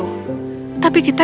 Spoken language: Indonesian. tapi kita jangan sampai berhenti